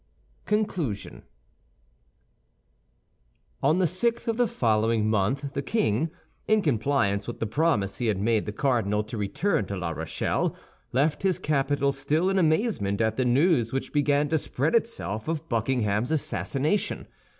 CONCLUSION On the sixth of the following month the king, in compliance with the promise he had made the cardinal to return to La Rochelle, left his capital still in amazement at the news which began to spread itself of Buckingham's assassination.